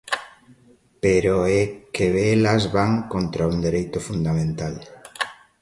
Pero é que elas van contra un dereito fundamental.